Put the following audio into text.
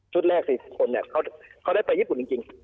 แรก๔๐คนเขาได้ไปญี่ปุ่นจริง